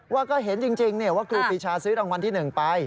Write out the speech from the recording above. ว่าก็เห็นจริงว่าครูปีชาซื้อรางวัลที่๑ไป